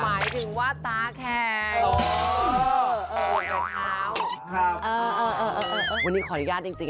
มีวิธีเขาเลยแก้ง่วงอย่างไรบ้าง